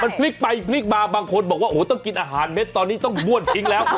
มันพลิกไปพลิกมาบางคนบอกว่าโอ้ต้องกินอาหารเม็ดตอนนี้ต้องบ้วนทิ้งแล้ว